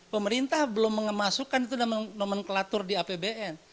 pemerintah belum memasukkan nomenklatur di apbn